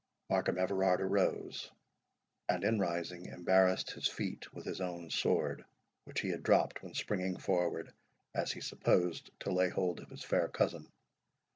Markham Everard arose, and, in rising, embarrassed his feet with his own sword, which he had dropped when springing forward, as he supposed, to lay hold of his fair cousin.